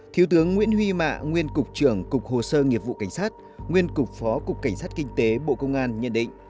thiếu tướng nguyễn huy mạ nguyên cục trưởng cục hồ sơ nghiệp vụ cảnh sát nguyên cục phó cục cảnh sát kinh tế bộ công an nhận định